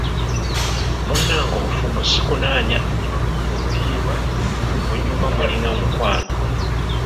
Munnange obufumbo ssi kunaanya, bweguyibwa, bunyuma mulina omukwano.